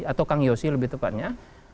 atau kang yosi lebih tepatnya